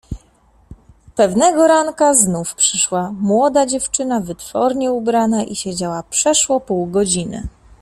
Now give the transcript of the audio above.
"Pewnego ranka znów przyszła młoda dziewczyna wytwornie ubrana i siedziała przeszło pół godziny."